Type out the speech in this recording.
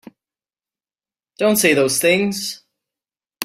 Don't say those things!